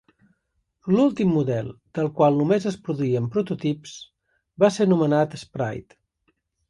L'últim model, del qual només es produïen prototips, va ser anomenat Sprite.